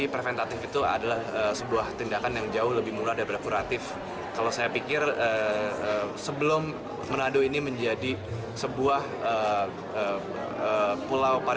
terobosan baru yaitu mereplace plastik dengan bioplastik sebelum kembali lagi semuanya itu terlambat